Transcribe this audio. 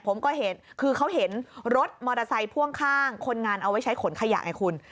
ผมก็เห็นคือเขาเห็นรถมอเตอร์ไซค์พ่วงข้างคนงานเอาไว้ใช้ขนขยะไงคุณ